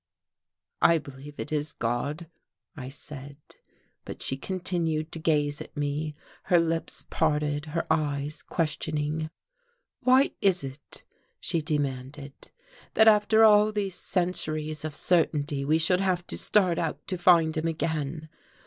"I believe it is God," I said. But she continued to gaze at me, her lips parted, her eyes questioning. "Why is it," she demanded, "that after all these centuries of certainty we should have to start out to find him again?